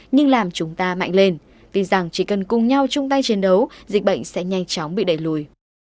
nhưng làm chúng ta mạnh lên tin rằng chỉ cần cùng nhau chung tay chiến đấu dịch bệnh sẽ nhanh chóng bị đẩy lùi